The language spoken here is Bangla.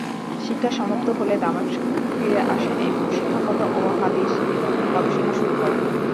শিক্ষা সমাপ্ত হলে দামেস্ক ফিরে আসেন এবং শিক্ষকতা ও হাদিস গবেষণা শুরু করেন।